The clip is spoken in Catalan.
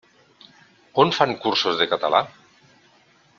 On fan cursos de català?